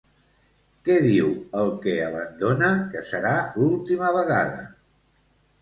Què diu el que abandona que serà l'última vegada?